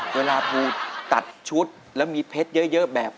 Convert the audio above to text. เวลาภูตัดชุดแล้วมีเพชรเยอะแบบ